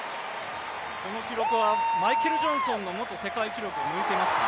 この記録はマイケル・ジョンソンの元世界記録を抜いていますよね。